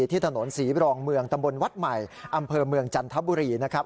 ที่ถนนศรีบรองเมืองตำบลวัดใหม่อำเภอเมืองจันทบุรีนะครับ